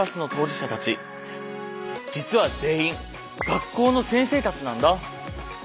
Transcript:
実は全員学校の先生たちなんだ。